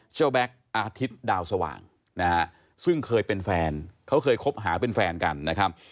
แบ็คอาทิตย์ดาวสว่างนะฮะซึ่งเคยเป็นแฟนเขาเคยคบหาเป็นแฟนกันนะครับ